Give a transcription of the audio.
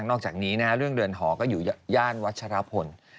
นอกจากนี้เรื่องเรือนหอก็อยู่ย่านวัชรพล